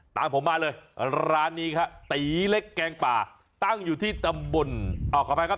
ตามผมมาเลยร้านนี้ครับตีเล็กแกงป่าตั้งอยู่ที่ตำบลขออภัยครับ